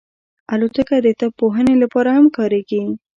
الوتکه د طب پوهنې لپاره هم کارېږي.